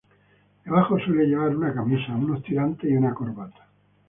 Debajo suele llevar una camisa, unos tirantes y una corbata.